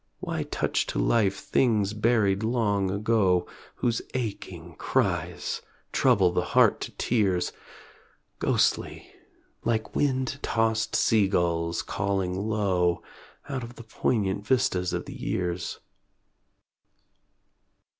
Why touch to life things buried long ago, Whose aching cries trouble the heart to tears; Ghostly like wind tossed sea gulls calling low Out of the poignant vistas of the years?